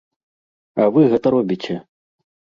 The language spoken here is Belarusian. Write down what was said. А вы гэта робіце!